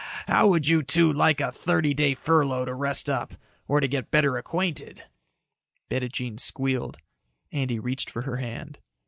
"How would you two like a thirty day furlough to rest up or to get better acquainted?" Bettijean squealed. Andy reached for her hand.